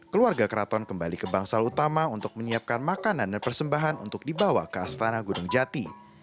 keluarga keraton kembali ke bangsal utama untuk menyiapkan makanan dan persembahan untuk dibawa ke astana gunung jati